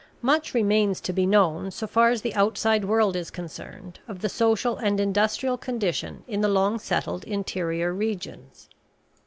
Much remains to be known, so far as the outside world is concerned, of the social and industrial condition in the long settled interior regions.